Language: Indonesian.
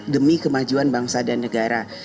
demi kemajuan bangsa dan negara